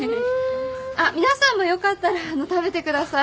皆さんもよかったら食べてください。